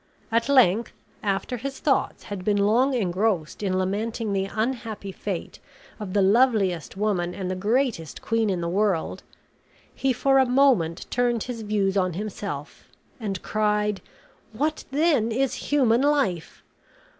At length, after his thoughts had been long engrossed in lamenting the unhappy fate of the loveliest woman and the greatest queen in the world, he for a moment turned his views on himself and cried: "What then is human life?